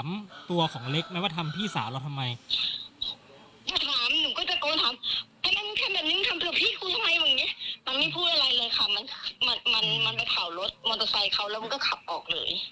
มันมันไปเผารถมอเตอร์ไซค์เขาแล้วมันก็ขับออกเลย